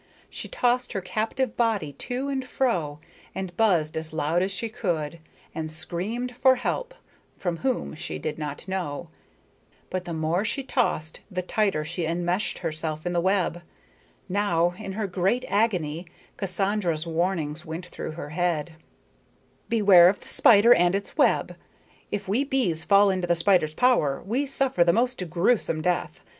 She tossed her captive body to and fro, and buzzed as loud as she could, and screamed for help from whom she did not know. But the more she tossed the tighter she enmeshed herself in the web. Now, in her great agony, Cassandra's warnings went through her mind: "Beware of the spider and its web. If we bees fall into the spider's power we suffer the most gruesome death.